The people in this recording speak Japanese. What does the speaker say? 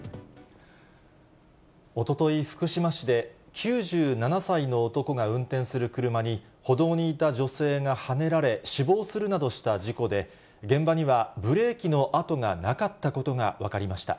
おととい、福島市で９７歳の男が運転する車に、歩道にいた女性がはねられ死亡するなどした事故で、現場にはブレーキの痕がなかったことが分かりました。